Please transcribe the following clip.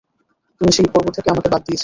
তুমি সেই পর্ব থেকে আমাকে বাদ দিয়েছিলে।